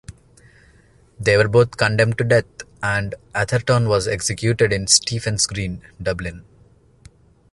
They were both condemned to death, and Atherton was executed in Stephen's Green, Dublin.